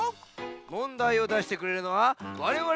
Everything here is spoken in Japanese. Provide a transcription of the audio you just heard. もんだいをだしてくれるのはわれわれのおやぶんだ！